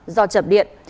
do chậm điện